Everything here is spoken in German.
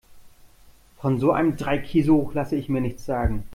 Von so einem Dreikäsehoch lasse ich mir nichts sagen.